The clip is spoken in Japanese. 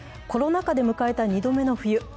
コロナ禍で迎えた２度目の冬。